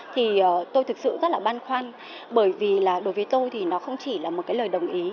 thì tôi thực sự rất là băn khoăn bởi vì là đối với tôi thì nó không chỉ là một cái lời đồng ý